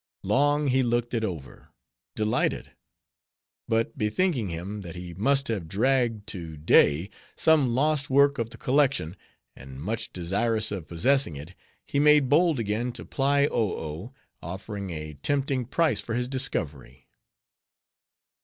Long he looked it over delighted; but bethinking him, that he must have dragged to day some lost work of the collection, and much desirous of possessing it, he made bold again to ply Oh Oh; offering a tempting price for his discovery.